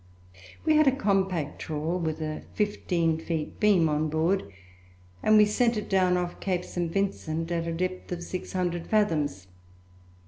We had a compact trawl, with a 15 feet beam, on board, and we sent it down off Cape St. Vincent at a depth of 600 fathoms.